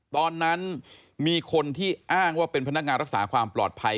ตอนนั้นมีคนที่อ้างว่าเป็นพนักงานรักษาความปลอดภัย